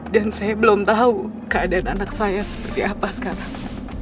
dan saya belum tahu keadaan anak saya seperti apa sekarang